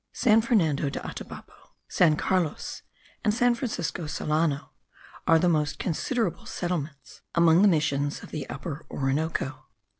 San Fernando de Atabapo, San Carlos, and San Francisco Solano, are the most considerable settlements among the missions of the Upper Orinoco.